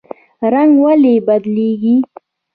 رنګ ولې بدلیږي؟